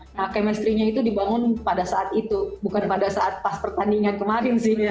nah chemistry nya itu dibangun pada saat itu bukan pada saat pas pertandingan kemarin sih